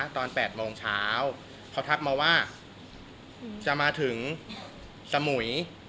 ตอน๘โมงเช้าเขาทักมาว่าจะมาถึงสมุย